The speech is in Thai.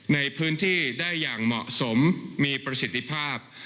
ในพื้นที่ได้อย่างเหมาะสมมีประสิทธิภาพ